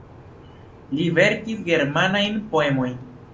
Li verkis germanajn poemojn.